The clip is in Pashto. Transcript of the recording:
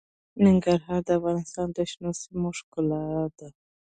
ننګرهار د افغانستان د شنو سیمو ښکلا ده.